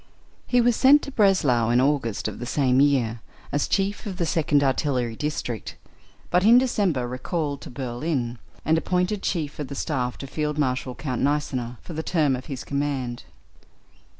He was sent to Breslau in August of the same year, as Chief of the Second Artillery District, but in December recalled to Berlin, and appointed Chief of the Staff to Field Marshal Count Gneisenau (for the term of his command).